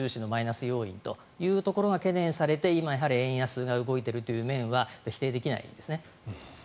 これが悪くなると更に経常収支のマイナス要因というところが懸念されて今円安が動いているところは否定できないですね。